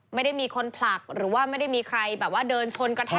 ไม่ได้มีคนผลักหรือว่าไม่ได้มีใครแบบว่าเดินชนกระแท